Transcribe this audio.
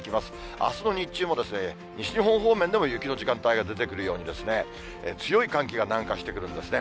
あすの日中も、西日本方面でも雪の時間帯が出てくるように、強い寒気が南下してくるんですね。